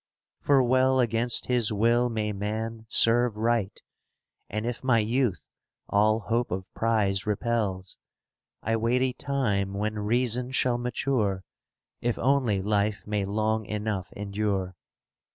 For well against his will may man serve right; *^ And if my youth all hope of prize repels, I wait a time when reason shall mature, If only life may long enough endure.